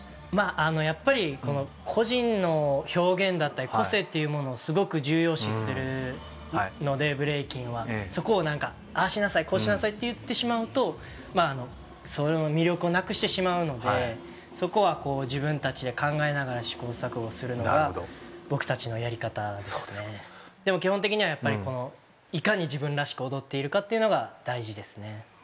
やっぱり個人の表現だったり個性というものをすごく重要視するのでブレイキンはそこをああしなさいこうしなさいって言ってしまうとその魅力をなくしてしまうのでそこは自分たちで考えながら試行錯誤するのが僕たちのやり方ですねでも基本的にはやっぱりいかに自分らしく踊っているかっていうのが大事ですね